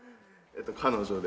彼女で。